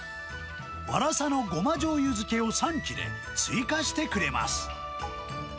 ワラサのゴマじょうゆ漬けを３切れ追加してくれます。